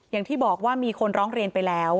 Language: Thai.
อย่างที่บอกว่ามีคนร้องเรียนไปแล้ว